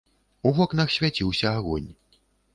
У вокнах свяціўся агонь.